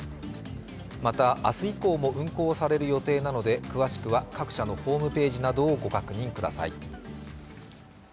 また、明日以降も運航される予定なので、各社にホームページなどをご確認ください。